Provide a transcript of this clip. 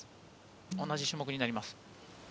同じ種目になります。